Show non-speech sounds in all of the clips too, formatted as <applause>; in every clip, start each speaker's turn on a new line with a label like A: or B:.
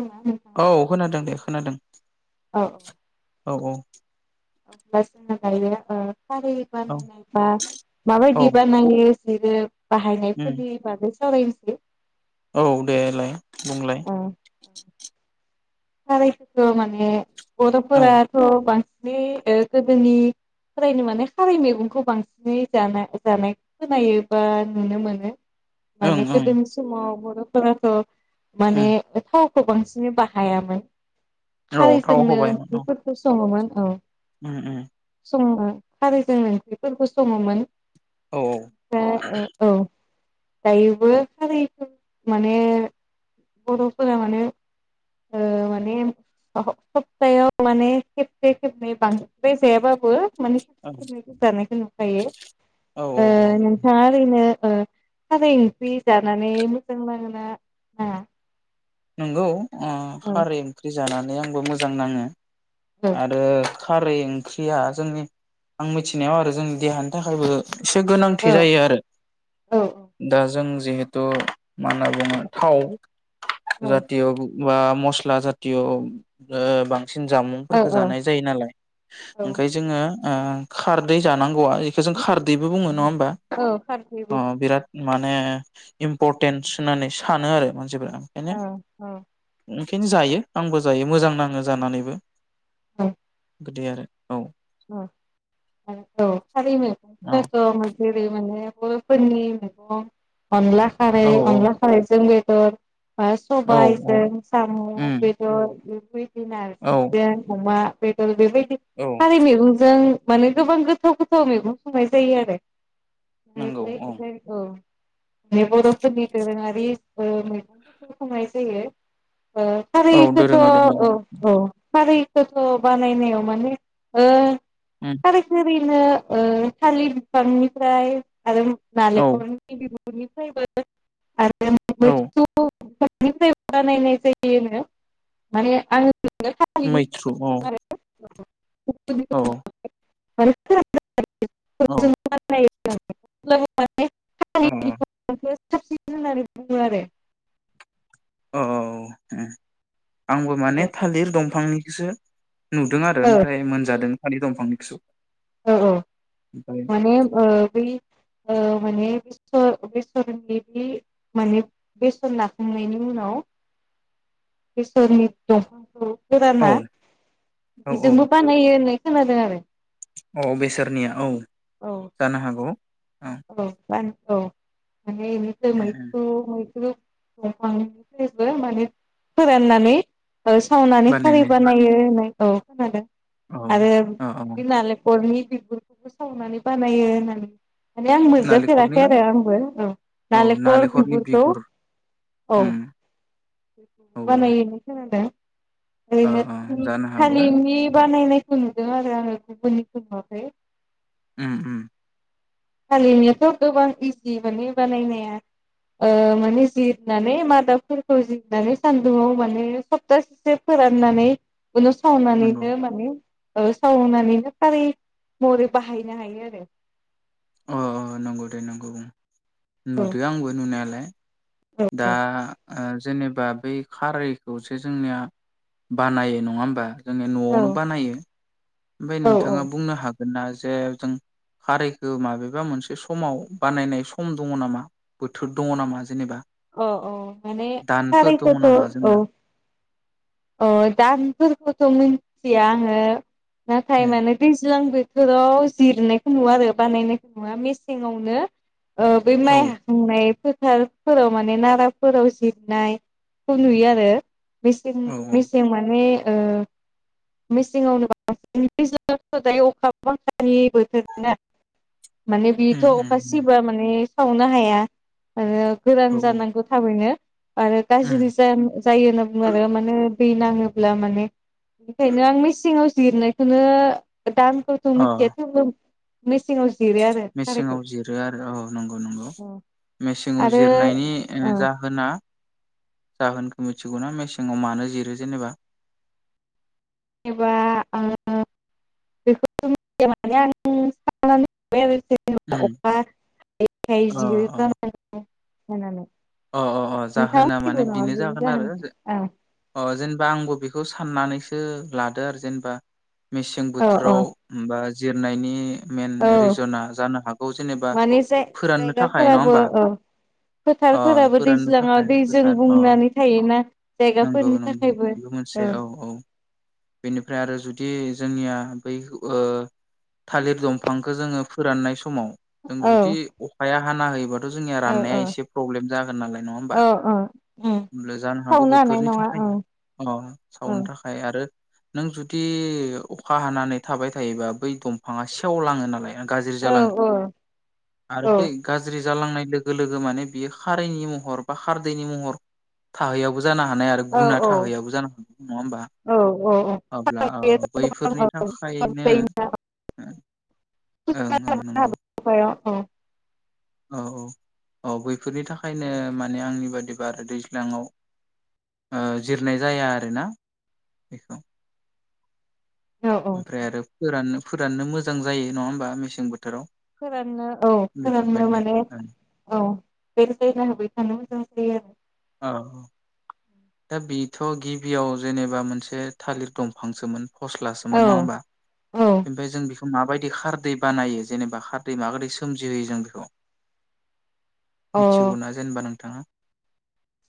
A: ना नोंथाङा?
B: औ खोनादों दे खोनादों।
A: औ
B: औ औ।
A: <unintelligible> खारै
B: औ
A: बानायनाय बा
B: औ
A: माबायदि बानायो? बिबो
B: उम
A: बाहायनायफोरनि बागै सावराय <unintelligible>
B: औ दे लाय बुंलाय।
A: खारै खो माने
B: औ
A: बर'फोरा थ' बां बे ओ गोदोनिफ्रायनो माने खारै मैगंखौ बांसिनै जाना जानाय खोनायो बा नुनो मोनो।
B: ओं
A: माने
B: ओं
A: गोदोनि समाव <unintelligible> माने
B: उम
A: थाव। खौ बांसिनै बा हायामोन।
B: औ थाव
A: खारैजोंनो
B: होबाय औ
A: ओंख्रिफोरखौ सङोमोन। औ।
B: उम उम।
A: जोङो खारैजों ओंख्रिफोरखौ सङोमोन।
B: औ।
A: दा औ दायोबो <unintelligible> माने बरफोरा माने ओ माने हप्तायाव माने खेबसे खेबनै बांद्राय जायाबाबो। माने
B: औ
A: <inaudible> जानायखौ नुखायो
B: औ
A: ओ नोंथाङा ओरैनो ओ खारै ओंख्रि जानानै मोजां नांओ ना ना
B: नंगौ। अ खारै ओंख्रि। जानानै आंबो मोजां नाङो।
A: औ
B: आरो। खारै ओंख्रिया जोंनि आं मिथिनायाव आरो जोंनि देहानि थाखायबो। एसे गोनांथि
A: औ
B: जायो आरो
A: औ
B: दा जों। जिहेतु मा होनना बुङो थाव।
A: औ
B: जाथिय बा मस्ला जातिय' <unintelligible> सिन
A: औ
B: जामुंफोरखौ जानाय जायो नालाय
A: औ
B: ओंखाय जोङो। ओ खारदै जानांगौआ इखौ जों खारदैबो बुङो नङा बा
A: औ खारदैबो
B: अ बिराद माने। इम्परटेन्स होननानै सानो आरो मानसिफोरा।
A: औ औ।
B: खायनो जायो आंबो जायो मोजां नाङो जानानैबो।
A: <unintelligible>
B: गोदै आरो। औ
A: <unintelligible>
B: औ
A: बर'फोरनि मैगं। अनला खारै
B: औ
A: अनला खारैजों <unintelligible> ओ
B: औ औ
A: सबायजों साम'
B: उम
A: बेदर। बे
B: औ
A: नारजिजों अमा बेदर बेबायदि
B: औ
A: खारि मैगंजों माने गोबां गोथाव गोथाव मैगं संनाय जायो आरो
B: नंगौ औ
A: <unintelligible> बे बर' फोरनि दोरोङारि बे ओ मेगंफोरखौ संनाय जायो ओ खारैखौथ' औ
B: दोरोङारि मैगं
A: औ खारै खोथ' बानायनायाव माने ओ
B: उम
A: खारैखो यैनो ओ थालिर बिफांनिफ्राय आरो
B: औ
A: नालेकलनि बिगु रनिफ्राय आरो
B: औ
A: मैसुनिफ्रायबो बानायनाय जायो नो माने आङो <unintelligible>
B: मैथ्रु औ औ औ
A: <unintelligible> <unintelligible> <unintelligible> <unintelligible> <unintelligible> थालिर
B: औ
A: बिफां <unintelligible> बुंङो आरो
B: ओ ओ औ उम आंबो माने थालिर दंफांनि खोसो नुदों आरो
A: औ
B: ओमफ्राय मोनजादों थानि दंफांनिखोसो
A: औ औ माने ओ बै माने बेसर बेसरनि बि माने बेसर नाखांनायनि उनाव बेसरनि दंफांखौ
B: औ
A: फोराना
B: औ औ
A: बेजोंबो बानायो होनाय खोनादों आरो
B: औ बेसोरनिया औ
A: औ
B: जानो हागौ
A: औ बान औ माने इनिफ्राय मैथ्रु मैथु बंफानिफ्रायबो माने फोराननानै ओ सावनानै खारि
B: बानायनाय
A: बानायो होननाय औ खोनादों
B: औ
A: आरो
B: औ औ
A: बि नालेकरनि बिगुरखौबो सावनानै बानायो होननानै माने आं
B: नालेंखरनि
A: मोनजाफेराखै आरो आंबो औ
B: औ
A: नालेखर
B: नालेंखरनि
A: बिबुरखौ
B: बिगुर
A: औ
B: उम औ
A: बेखौबो बानायोनो खोनादों
B: ओ
A: ओरैनो
B: ओ
A: थनि
B: जानो हागौ
A: थालिरनि बा बानायनायखौ नुदों आरो आङो गुबुननिखौ नुवाखै
B: ओम ओम
A: थालिनायाथ' गोबां इजि माने बानायनाया ओ माने जिरनानै मादाबफोरखौ जिरनानै सान्दुङाव माने सप्तासेसो फोराननानै उनाव
B: नंगौ
A: सावनानैनो माने ओ सावनानैनो खारै महरै बाहायनो हायो आरो
B: अ नंगौ दे नंगौ बुं नुदो आंबो नुनायालाय <inaudible> दा ओ जेनेब बा बै खारैखौसो जोंनिया बानायो नङा होमबा जोंनिया न'आवनो
A: औ
B: बानायो। ओमफाय
A: औ
B: नोंथाङा बुंनो हाग गोनना जे जों खारैखो माबेबा मोनसे समाव बानायनाय सम दङ नामा बोथोर दङ नामा जेनेबा
A: अ अ माने
B: दानफोर दङ
A: खारैखोथ'
B: नामा
A: अ
B: जोंना
A: अ दानफोरखौथ' मिथिया आङो नाथाय
B: ए
A: माने दैज्लांबो थोराव जिरनायखो नुवा आरो बानायनायखो नुवा मेसेंवानो ओ बै
B: औ
A: माइ हाखांनाय फोर थारफोराव माने नाराफोराव जिदनाय खौ नुयो आरो
B: औ औ
A: बेसिरनि माने ओ मेसेंआवनो ब बांसिन दायो अखा बांखानि बोथोर ना माने बेथ'
B: उम
A: अखा
B: उम
A: सिबा माने सावनो हाया आरो गोरान
B: औ
A: जानांगौ थाबैनो आरो
B: उम
A: गाज्रि जा जायो होनना बुङो आरो मानो दै नाङोब्ला माने बेनिखायनो आं मेसेंङावस जिरनायखोनो दानफोरखौ मिथिया
B: अ
A: थेवबो मिस
B: मेसेङाव जिरो आरो औ नंगौ नंगौ मेसेंङाव
A: आरो
B: जिरनायनि
A: ओ
B: आ जाहोना जाहोनखो मिथिगौना मेसेङाव मानो जिरो जेनेबा
A: जेनबा आ बेखौ मिथिया माने आं साननानै मोनबाय जे
B: उम
A: अ खा हा यै खाय
B: अ
A: जि रो जानांगौ होनानै
B: अ अ अ जाहोना माने बिनो
A: बेनि
B: जागोन आरो जे
A: जाहोनखौ
B: अ जेनेबा बा आंबो बेखौ साननानैसो लादो आरो जेनबा मेसें
A: औ औ
B: बोथोराव बा जिरनायनि मइेन
A: औ
B: रिजना जानो हागौ जेनेबा
A: माने जाय
B: फोराननो थाखाय नङा होमबा
A: फोराबो
B: फोराननो थाखाय
A: दैज्लाङाव दैजों
B: फोथार अ
A: बुंनानै थायो <unintelligible>
B: नंगौ नंगौ बेबो मोनसे औ औ बेनिफ्राय आरो जुदि जोंनिया बै ओ थालिर दंफांखौ जोङो फोराननाय समाव जों
A: औ
B: जुदि अखाया हाना होयोबा जोनिया
A: औ
B: राननाया
A: औ
B: एसे फ्रब्लेम जागोन नालाय नङा होमबा
A: औ औ उम
B: होमब्ला जानो हागौ
A: सावनो
B: बेफ
A: हानाय
B: बेफोरनि
A: नङा औ
B: थाखायनो अ
A: औ
B: सावनो थाखाय आरो नों जुदि अखा हानानै थाबाय थायोबा बै दंफाङा सेवलाङो नालाय गाज्रि
A: औ
B: जालाङो
A: औ
B: आरो
A: औ
B: बै गाज्रि जालांनाय लोगो लोगो माने बियो खारैनि महर बा खारदैनि महर थाहैया बो जा जानो हानाय आरो
A: औ
B: गुना थाहैयाबो जानो हानाय नङा होमबा
A: औ
B: अब्ला
A: औ
B: बैफोरनि थाखायनो
A: औ औ
B: ओं ओं नंगौ
A: औ
B: औ औ औ बैफोरनि थाखायनो ओमफ्राय आरो फोराननो फोराननो मोजां जायो नङा होमबा मेसें बोथोराव
A: फोराननो औ फोराननो
B: बेफोरबायदि
A: माने
B: आरो
A: औ बेलथेना होबाय थानो मोजों <unintelligible>
B: अ । दा बेथ गिबियाव जेनेबा मोनसे थालिर दंफांसोमोन फस्लासोमोन नङा
A: आरो
B: होमबा
A: औ
B: ओमफ्राय जों बेखौ माबायदि खारदै बानायो जेनेबा खारदै माबोरै सोमजिहोयो जों बेखौ?
A: औ
B: मिथिगौनाा जेनेबा नों थाङा।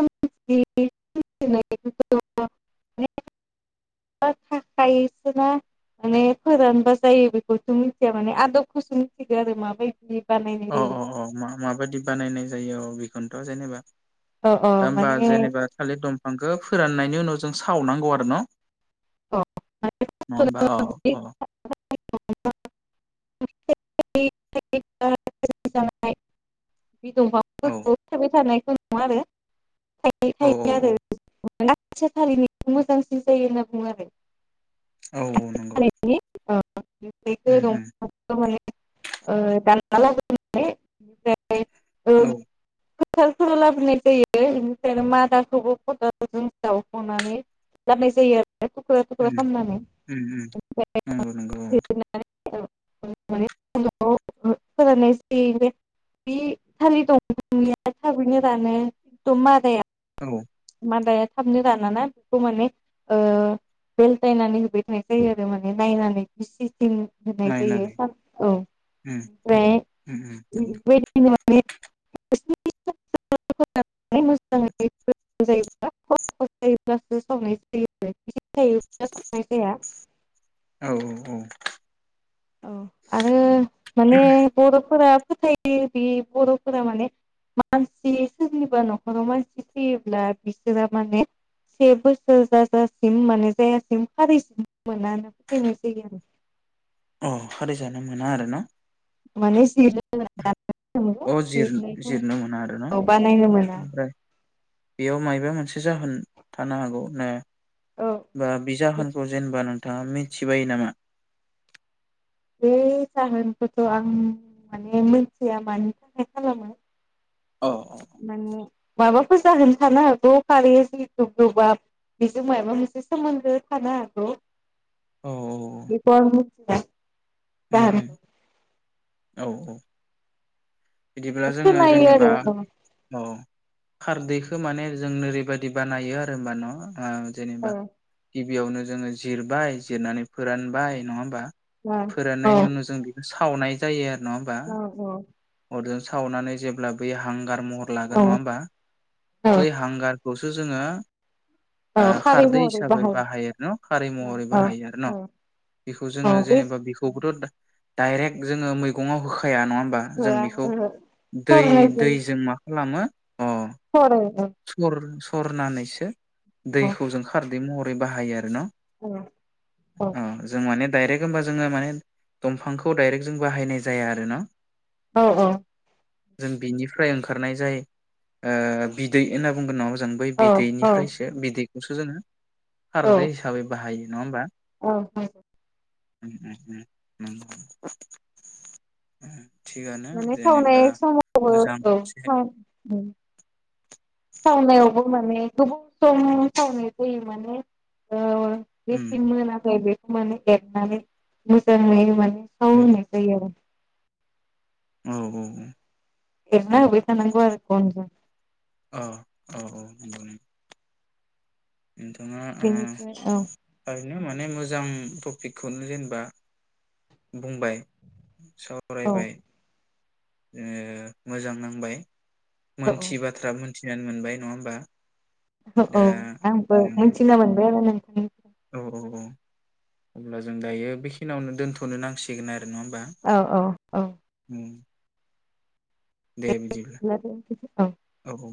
A: थाखायसोोना माने फोरानबा जायो बेखौसो मिथिया माने आदबखौसो मिथिगौ आरो माबायदि ।
B: अ औ औ माहा माबायदि बानायनाय जायो अ बि जथ जेनेबा?
A: अ अ
B: दा होमबा
A: माने
B: जेनेबा थालिर दं आखो फोराननायनि उनाव जों सावनांगौ आरो न?
A: अ माने
B: नङा होमबा औ औ ।
A: <unintelligible> <unintelligible> <unintelligible>
B: औ
A: थानायखौ माबे? थायै
B: औ
A: थायो आरो
B: औ
A: <unintelligible> मोजांसिन जायो होनना बुङो आरो ।
B: औ औ नंगौ।
A: ओ
B: उम
A: ।
B: उम
A: दाना लाबो लानिफ्राय <unintelligible> ए औ । खालखौ लाबोनाय जायो बेनिफ्रायनो मादाखौबो खदालजों जावखनानै लाबोनाय जायो आरो। थुक्रा थुख्रा
B: उम
A: खालामनानै
B: उम उम नंगौ नंगौ
A: फोरनायसै बे थाल दं ननिया थाबैनो रानो एकदम मादाया
B: औ
A: मादाया थाबनो रानाना बेखौ माने बेलथायायनानै होबाय थानाय जायो आरो माने नायनानै बिसि सिं होननाय जायो
B: नायनानै
A: स औ
B: उम
A: ओमफ्राय
B: उम उम
A: बेबायदि माने <unintelligible> जायो जायोब्लासो सावनाय जायो आरो। <unintelligible>
B: औ औ औ ।
A: औ आरो माने बर फोरा फोथायो बे बरफोरा माने मानसि सोरनिबा नखराव मानसि थैयोब्ला बिसोरा माने से बोसोर जाजासिम माने जायासिम फारिसिम मोना होननानै फोथायनाय जायो आरो।
B: औ खारि जानो मोना आरो ना?
A: माने <unintelligible> मोनो
B: अ
A: जिरनायखौ
B: जिरनो मोना आरो ना
A: बानायनो मोना
B: ओमफ्राय बेयाव मायबा मोन मोनसे जाहोन थानो हागौ ना
A: औ
B: बा बिजाहोनखौ जेनबा नोंथाङा मिथिबायो नामा
A: बे जाहोनखौथ' आं माने मोनथिया मानि थाखाय खालामो
B: औ
A: माने माबाफोर जाहोनो थानो हागौ खारै जिहेतु गोबाब बेजों माबा मोनसे सोमोन्दो थानो हागौ बेखौ ओ
B: उ उ औ औ बिदिब्ला जोङो
A: खोनायो
B: जेनेबा
A: आरो
B: औ खारदैखौ माने जों ओरैबायदि बानायो आरो होनबा न आ जेेनेबा
A: औ
B: बेयावनो जोङो जिरबाय जिरनानै फोरानबाय नङा होमबा फोराननायनि उनाव जों बेखौ सावनाय जायो आरो नङा होमबा
A: औ औ
B: अरजों सावनानै जेब्ला बै हां गार महर
A: औ
B: लागोन नङा होमबा बै हांगार खौसो जोङो
A: औ
B: ओ
A: खारै
B: खारदै
A: महरै
B: हिसाबै बाहायो आरो न खारै महरै
A: औ
B: बाहायो आरो न'
A: औ
B: बेखौ
A: औ
B: जोङो
A: बे
B: जेनेबा बेखौबोथ' डाइरेक्ट जोङो मैगङाव होखाया नङा जों
A: जिथुआ
B: बेखौ
A: सरनाय
B: दै-
A: जायो
B: दैजों मा खालामो? अ
A: सरो औ
B: सर -सरनानैसो
A: औ
B: दैखौ जों खार रै महरै बाहायो आरो न
A: औ औ
B: दायरेक्ट होमबा जोङो माने दंफांखौ दायरेक्ट जों बाहायनाय जाया आरो न
A: औ औ
B: जों बिनिफ्राय ओंखारनाय जाय ओ बिदै होनना बुंगोन <unintelligible> बै
A: औ
B: बिदैनिफ्रायसो बिदै जोङो
A: औ
B: खारदै हिसाबै बाहायो नङा होमबा
A: औ
B: <unintelligible>
A: माने सावनाय
B: जेनेबा
A: समावबो
B: मोजां मोनसे
A: औ सावनायावबो माने गोबाव सम सावनाय जायो माने ओ
B: उम
A: जेथिं मोनाखै बे <unintelligible> एरनानै मोजाङै माने
B: उम
A: <unintelligible>
B: औ औ औ
A: एरना होबाय थानांगौ आरो गनजों।
B: अ औ औ <unintelligible> नोंथाङा ओ
A: बेनिफ्राय औ
B: <unintelligible> बेनो माने मोजां टपिकखौनो जेनेबा बुंबाय
A: औ
B: सावरायबाय ओ मोजां नांबाय
A: औ
B: मोनथियि बाथ्रा मोन मिथिनानै मोनबाय नङा होमबा?
A: औ औ
B: दा
A: आंबो
B: उम
A: मिथिना मोनबाय <unintelligible>
B: औ औ औ अब्ला जों दायो बेखिनियावनो दोनथ'नो नांसिगोन आरो नङा होनबा?
A: औ औ औ
B: दे बिदिब्ला
A: दोनथ'सै औ
B: <inaudible> औ